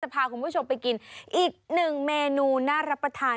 พาคุณผู้ชมไปกินอีกหนึ่งเมนูน่ารับประทาน